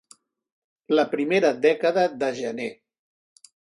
La primera dècada de gener.